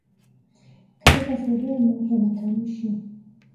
Katika sehemu ya matamshi.